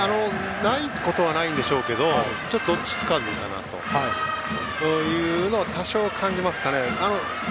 ないことはないんでしょうけどもどっちつかずかなというのは多少感じますかね。